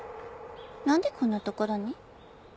なんでこんな所に？